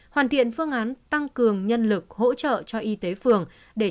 hoàn thiện phương án tăng cường nhân lực hỗ trợ cho y tế phường để